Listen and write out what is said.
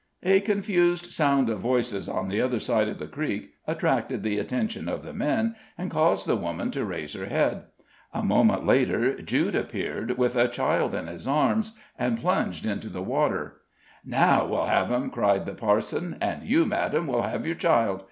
A confused sound of voices on the other side of the creek attracted the attention of the men, and caused the woman to raise her head. A moment later Jude appeared, with a child in his arms, and plunged into the water. "Now we'll have him!" cried the parson; "and you, madame, will have your child.